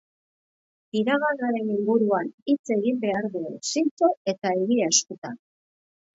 Iraganaren inguruan hitz egin behar dugu, zintzo eta egia eskutan.